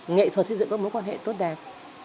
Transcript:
nghệ thuật thiết dựng các mối quan hệ tốt đẹp